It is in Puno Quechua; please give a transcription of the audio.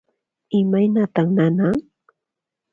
Imaynatan nanan?